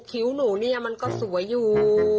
คิ้วหนูเนี่ยมันก็สวยอยู่